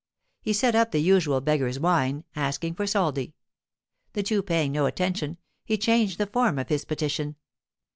He set up the usual beggar's whine, asking for soldi. The two paying no attention, he changed the form of his petition.